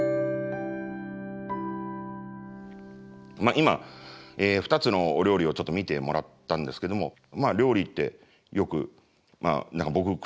今２つのお料理をちょっと見てもらったんですけども料理ってよく僕口癖のように「理を料る」。